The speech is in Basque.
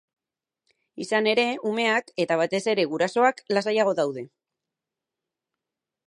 Izan ere, umeak, eta batez ere, gurasoak, lasaiago daude.